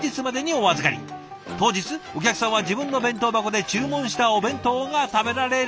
当日お客さんは自分の弁当箱で注文したお弁当が食べられる。